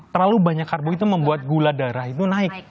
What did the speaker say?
terlalu banyak karbo itu membuat gula darah itu naik